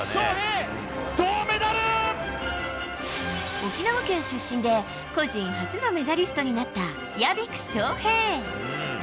沖縄県出身で個人初のメダリストになった屋比久翔平。